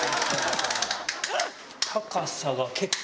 高さが結構。